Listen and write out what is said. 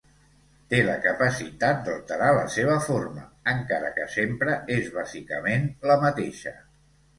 Té la capacitat d'alterar la seva forma, encara que sempre és bàsicament la mateixa.